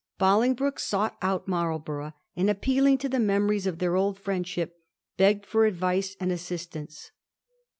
Bolingbroke sought out Marlborough, and appealing to the memories of their old friendship, begged for advice and assistance.